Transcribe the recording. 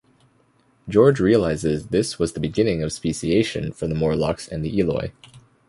George realises this was the beginning of speciation for the Morlocks and the Eloi.